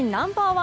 １